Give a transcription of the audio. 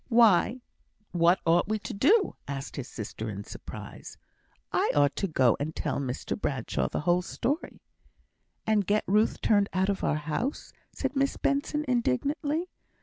"Why, what ought we to do?" asked his sister, in surprise. "I ought to go and tell Mr Bradshaw the whole story " "And get Ruth turned out of our house," said Miss Benson, indignantly.